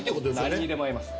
何にでも合います。